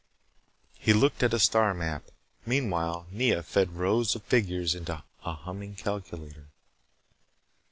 He looked at a star map. Meanwhile, Nea fed rows of figures into a humming calculator.